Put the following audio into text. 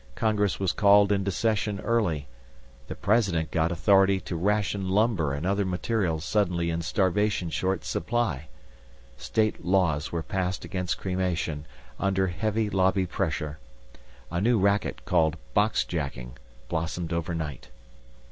Congress was called into session early. The President got authority to ration lumber and other materials suddenly in starvation short supply. State laws were passed against cremation, under heavy lobby pressure. A new racket, called boxjacking, blossomed overnight.